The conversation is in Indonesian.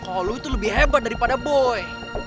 kalo lu itu lebih hebat daripada boy